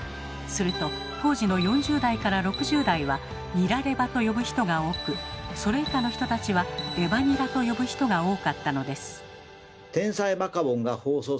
すると当時の４０代から６０代は「ニラレバ」と呼ぶ人が多くそれ以下の人たちは「レバニラ」と呼ぶ人が多かったのです。